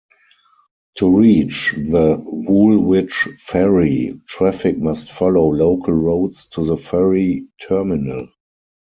To reach the Woolwich Ferry, traffic must follow local roads to the ferry terminal.